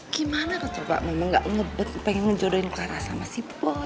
gimana ke coba memang gak ngebet pengen ngejodohin clara sama si boy